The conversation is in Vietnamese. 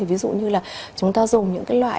ví dụ như là chúng ta dùng những cái loại